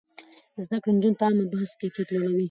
زده کړې نجونې د عامه بحث کيفيت لوړوي.